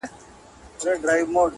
د وحشي او نه زغم کیدونکو چلندونو